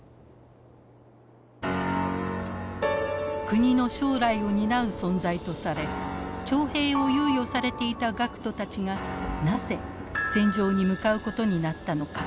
国の将来を担う存在とされ徴兵を猶予されていた学徒たちがなぜ戦場に向かうことになったのか。